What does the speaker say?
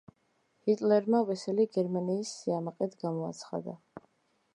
ჰიტლერმა ვესელი გერმანიის სიამაყედ გამოაცხადა.